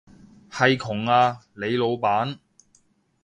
係窮啊，你老闆